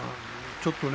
ちょっとね。